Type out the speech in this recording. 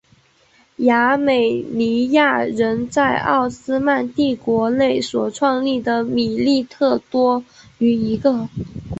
亚美尼亚人在奥斯曼帝国内所创立的米利特多于一个。